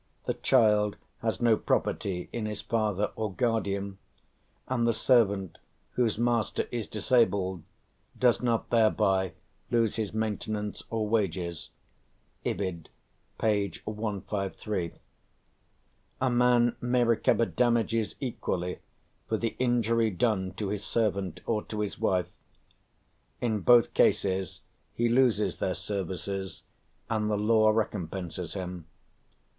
The child has no property in his father or guardian. And the servant, whose master is disabled, does not thereby lose his maintenance or wages (Ibid, p. 153). A man may recover damages equally for the injury done to his servant or to his wife; in both cases he loses their services, and the law recompenses him.